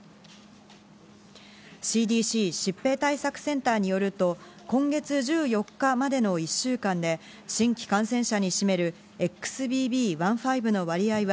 ＣＤＣ＝疾病対策センターによると、今月１４日までの１週間で新規感染者に占めるＸＢＢ．１．５の割合は